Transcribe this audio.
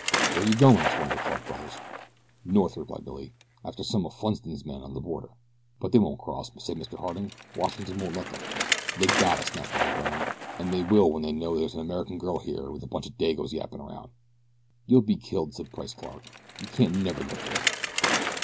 "Where you goin?" asked one of the Clark brothers. "North," replied Billy, "after some of Funston's men on the border." "But they won't cross," said Mr. Harding. "Washington won't let them." "They gotta," snapped Billy Byrne, "an' they will when they know there's an American girl here with a bunch of Dagos yappin' around." "You'll be killed," said Price Clark. "You can't never get through."